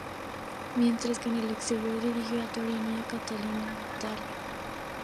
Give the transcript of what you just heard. Mientras que en el exterior dirigió a Torino y a Catania de Italia.